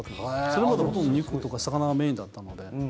それまでは肉とか魚がメインだったので。